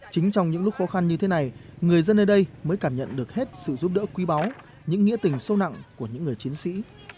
chính trong những lúc khó khăn như thế này người dân nơi đây mới cảm nhận được hết sự giúp đỡ quý báu những nghĩa tình sâu nặng của những người chiến sĩ